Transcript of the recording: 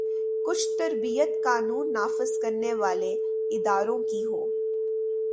کچھ تربیت قانون نافذ کرنے والے اداروں کی ہو۔